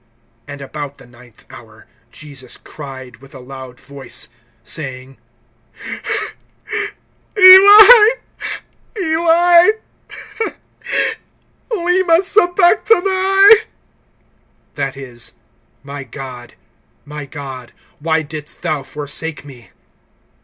(46)And about the ninth hour Jesus cried with a loud voice, saying: Eli, Eli, lema sabachthani? That is: My God, my God, why didst thou forsake me?